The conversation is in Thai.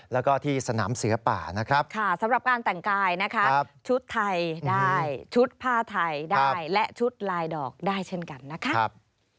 แล้วก็ที่สนามเสือป่านะครับค่ะสำหรับการแต่งกายนะคะชุดไทยได้ชุดผ้าไทยได้และชุดลายดอกได้เช่นกันนะครับ